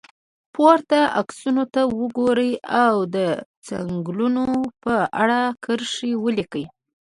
پورته عکسونو ته وګورئ او د څنګلونو په اړه کرښې ولیکئ.